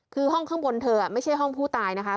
คือห้องข้างบนเธอไม่ใช่ห้องผู้ตายนะคะ